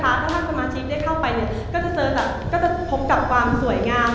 ถ้าท่านสมาชิกได้เข้าไปเนี่ยก็จะเจอแบบก็จะพบกับความสวยงาม